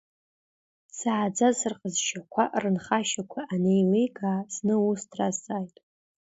Дзааӡаз рыҟазшьақәа, рынхашьақәа анеиликаа, зны ус дразҵааит…